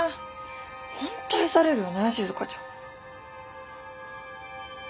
本当愛されるよね静ちゃん。